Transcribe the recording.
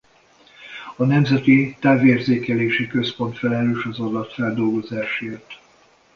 A Nemzeti Távérzékelési Központ felelős az adatfeldolgozásért.